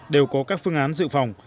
đều có các phương án dự phòng